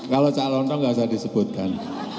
kalau cak lontong nggak usah disebutkan